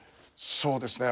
そうですね。